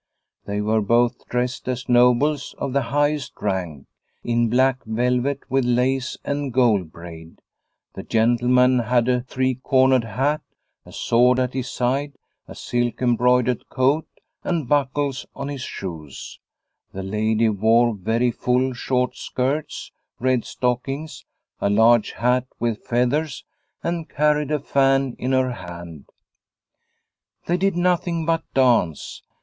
They were both dressed as nobles of the highest rank, in black velvet with lace and gold braid. The The Water Spirits in Lovdala 253 gentleman had a three cornered hat, a sword at his side, a silk embroidered coat, and buckles on his shoes. The lady wore very full, short skirts, red stockings, a large hat with feathers, and carried a fan in her hand. They did nothing but dance.